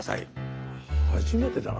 初めてだな。